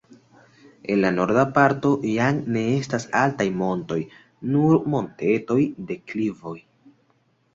En la norda parto jam ne estas altaj montoj, nur montetoj, deklivoj.